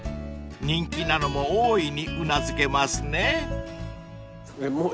［人気なのも大いにうなずけますね］